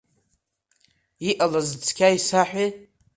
Иҟалаз цқьа исаҳәеи!